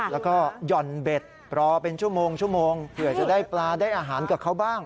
แล้วก็หย่อนเบ็ดรอเป็นชั่วโมงชั่วโมงเผื่อจะได้ปลาได้อาหารกับเขาบ้าง